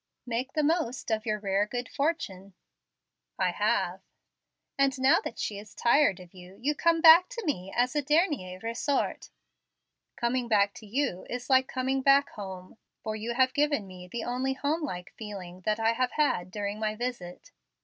"Make the most of your rare 'good fortune.'" "I have." "And now that she is tired of you, you come back to me as a dernier ressort." "Coming back to you, is like coming back home, for you have given me the only home like feeling that I have had during my visit."